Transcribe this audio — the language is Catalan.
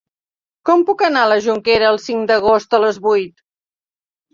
Com puc anar a la Jonquera el cinc d'agost a les vuit?